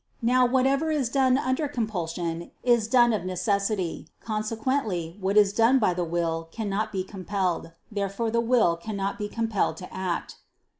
Now, whatever is done under compulsion is done of necessity: consequently what is done by the will, cannot be compelled. Therefore the will cannot be compelled to act.